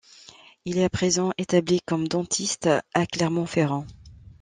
Il est à présent établi comme dentiste à Clermont-Ferrand.